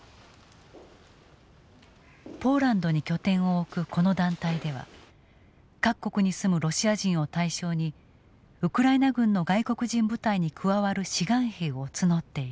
ポーランドに拠点を置くこの団体では各国に住むロシア人を対象にウクライナ軍の外国人部隊に加わる志願兵を募っている。